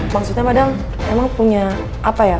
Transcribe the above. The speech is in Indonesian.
maksudnya kadang emang punya apa ya